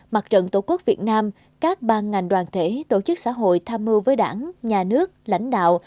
mặt trận tổ quốc việt nam các ban ngành đoàn thể tổ chức xã hội tham mưu với đảng nhà nước lãnh đạo